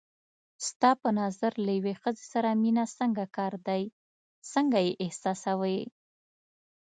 ستا په نظر له یوې ښځې سره مینه څنګه کار دی، څنګه یې احساسوې؟